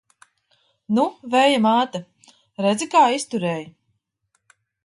Nu, Vēja māte, redzi, kā izturēju!